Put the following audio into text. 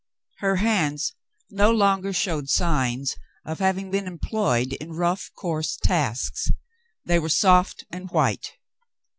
Her hands no longer showed signs of having been employed in rough, coarse tasks ; they were soft and white.